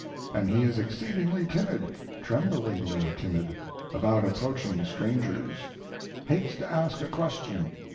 And he is exceedingly timid, tremblingly timid, about approaching strangers; hates to ask a question.